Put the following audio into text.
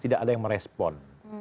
tidak ada yang merespon